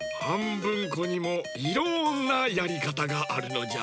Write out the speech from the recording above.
ぶんこにもいろんなやりかたがあるのじゃ。